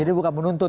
jadi bukan menuntut